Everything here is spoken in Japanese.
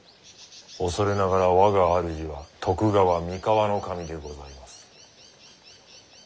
恐れながら我が主は徳川三河守でございます。